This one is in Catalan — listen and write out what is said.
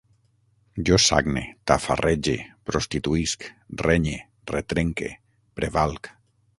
Jo sagne, tafarrege, prostituïsc, renye, retrenque, prevalc